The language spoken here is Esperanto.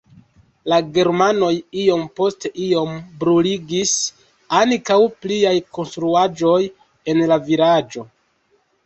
La germanoj iom post iom bruligis ankaŭ pliaj konstruaĵoj en la vilaĝo.